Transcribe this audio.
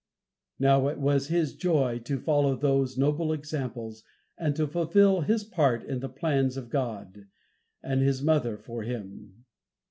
Now it was his joy to follow those noble examples, and to fulfill his part in the plans of God and his mother for him.